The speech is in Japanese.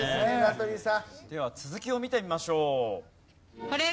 では続きを見てみましょう。